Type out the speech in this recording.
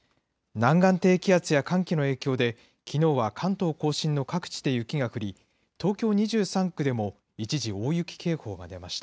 南岸低気圧や寒気の影響で、きのうは関東甲信の各地で雪が降り、東京２３区でも一時、大雪警報が出ました。